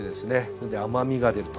それで甘みが出ると。